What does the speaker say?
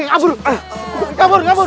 kabur kabur kabur